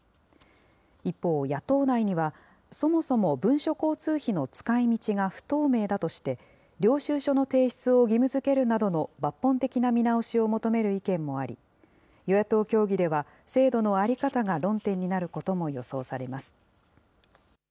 一方、野党内には、そもそも文書交通費の使いみちが不透明だとして、領収書の提出を義務づけるなどの抜本的な見直しを求める意見もあり、与野党協議では制度の在り方が論点になることも予想されます。